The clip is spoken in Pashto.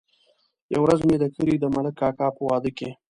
يوه ورځ مې د کلي د ملک کاکا په واده کې.